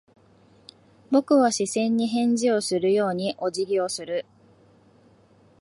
僕は視線に返事をするようにお辞儀をする。